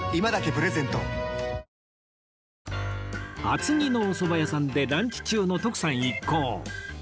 厚木のおそば屋さんでランチ中の徳さん一行